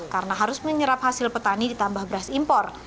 karena harus menyerap hasil petani ditambah beras impor